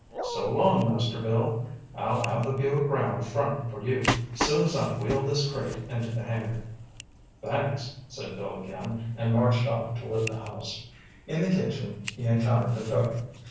"So long, Master Bill. I'll have the Buick 'round front for you, soon as I wheel this crate into the hangar." "Thanks," said Bill again, and marched off toward the house. In the kitchen he encountered the cook.